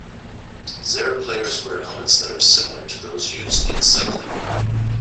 Xare players wear helmets that are similar to those used in cycling.